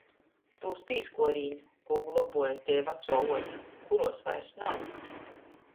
Tūs pīskuorīņu, kū globuoja tei vacuo uoda, kuruos vaira nav.